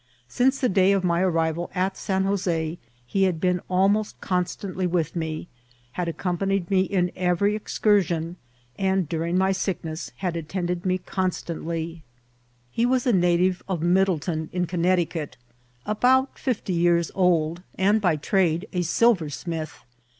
Since the day of my arrival at San Jos6 he had been almost con stantly with me, had accompanied me in every excur sion, and during my sickness had attended me constant S76 IKCIDBKT8 OP TEATEL. ly. He WES e nEtive of Middletown in Connecticiit, Ebout fifty yeEiv old, End by tnule e silversmith.